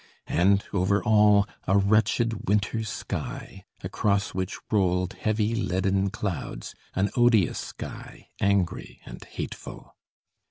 And over all, a wretched winter sky, across which rolled heavy leaden clouds, an odious sky, angry and hateful.